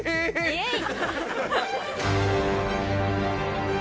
イエイ！